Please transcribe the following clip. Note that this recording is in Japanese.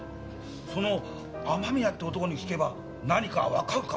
その雨宮って男に聞けば何かわかるかもしれませんな。